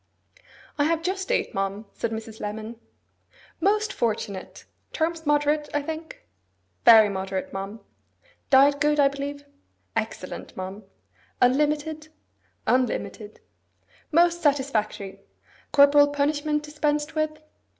'I have just eight, ma'am,' said Mrs. Lemon. 'Most fortunate! Terms moderate, I think?' 'Very moderate, ma'am.' 'Diet good, I believe?' 'Excellent, ma'am.' 'Unlimited?' 'Unlimited.' 'Most satisfactory! Corporal punishment dispensed with?